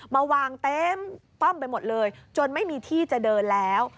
มาวางเต็มป้อมไปหมดเลยจนไม่มีที่จะเดินแล้ว